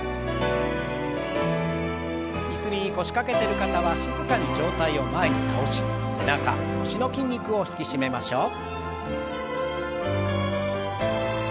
椅子に腰掛けてる方は静かに上体を前に倒し背中腰の筋肉を引き締めましょう。